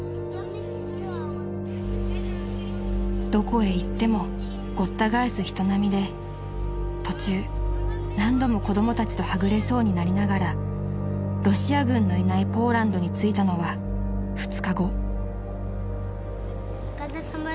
［どこへ行ってもごった返す人並みで途中何度も子供たちとはぐれそうになりながらロシア軍のいないポーランドに着いたのは２日後］